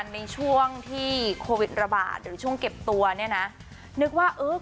ในช่วงที่โควิดระบาดหรือช่วงเก็บตัวเนี่ยนะนึกว่าเออ